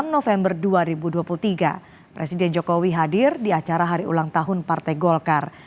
dua puluh november dua ribu dua puluh tiga presiden jokowi hadir di acara hari ulang tahun partai golkar